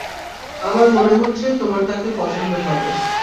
আমার মনে হচ্ছে তোমার তাকে পছন্দ হবে।